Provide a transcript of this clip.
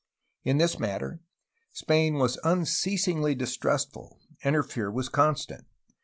In this matter Spain was unceasingly distrustful, and her fear was constant.